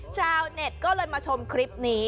ชาวเน็ตก็เลยมาชมคลิปนี้